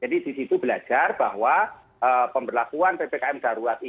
jadi disitu belajar bahwa pemberlakuan ppkm darurat ini